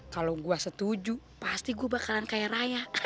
kalo gua setuju pasti gua bakalan kayak raya